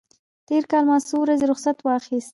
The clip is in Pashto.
تېر کال ما څو ورځې رخصت واخیست.